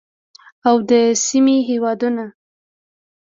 او د سیمې هیوادونه